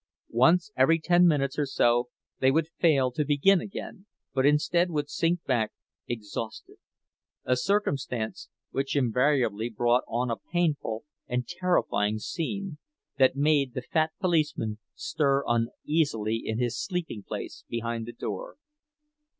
Once every ten minutes or so they would fail to begin again, but instead would sink back exhausted; a circumstance which invariably brought on a painful and terrifying scene, that made the fat policeman stir uneasily in his sleeping place behind the door.